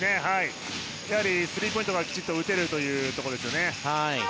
やはりスリーポイントがきちっと打てるところですね。